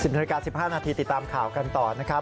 ๑นาฬิกา๑๕นาทีติดตามข่าวกันต่อนะครับ